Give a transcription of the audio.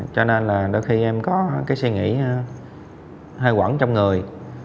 cho nên là đôi khi em có cái suy nghĩ hay quẩn trong người